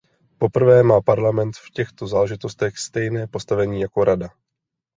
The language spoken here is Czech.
Poprvé má Parlament v těchto záležitostech stejné postavení jako Rada.